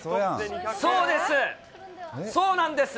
そうです、そうなんです。